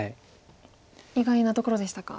意外なところでしたか。